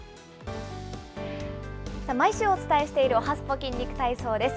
毎週お伝えしているおはＳＰＯ筋肉体操です。